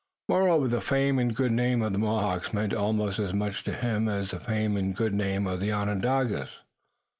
Moreover the fame and good name of the Mohawks meant almost as much to him as the fame and good name of the Onondagas.